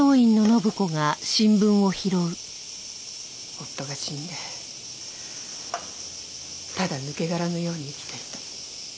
夫が死んでただ抜け殻のように生きていた。